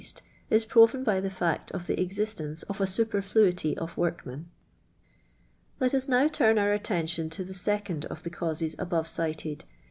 vd is proven by the fact of the existence of a sujierlluity of workmen. L.'t lis now turn our attention to the second of the causes aVjore cited, viz.